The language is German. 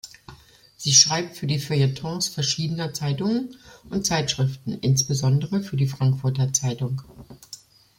Sie schreibt für die Feuilletons verschiedener Zeitungen und Zeitschriften, insbesondere für die Frankfurter Zeitung.